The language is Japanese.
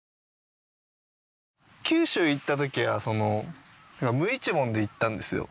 九州行ったときは無一文で行ったんですよ。